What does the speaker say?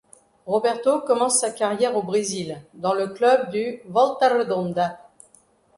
Roberto commence sa carrière au Brésil, dans le club du Volta Redonda.